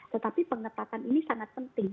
tetapi pengetatan ini sangat penting